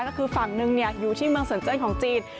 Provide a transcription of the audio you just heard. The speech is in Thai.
ก็คือฝั่งหนึ่งอยู่ที่เมืองเซินเจิ้นของจีน